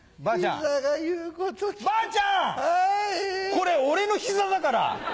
これ俺の膝だから！